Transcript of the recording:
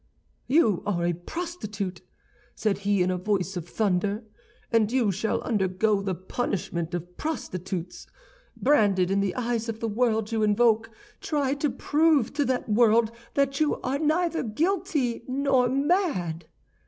"'You are a prostitute,' said he, in a voice of thunder, 'and you shall undergo the punishment of prostitutes! Branded in the eyes of the world you invoke, try to prove to that world that you are neither guilty nor mad!